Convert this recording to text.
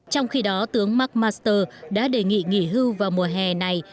trong khi đó tướng mark master đã đề nghị nghỉ hưu vào mùa hè này